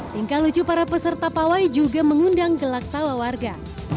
tingkah lucu para peserta pawai juga mengundang gelak tawa warga